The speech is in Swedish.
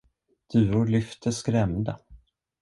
Duvor lyfte skrämda.